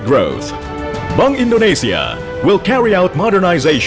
bank indonesia akan menguatkan modernisasi